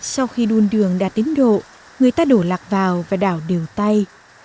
sau khi đun đường đạt đến độ người ta đổ lạc vào và đảo đều tay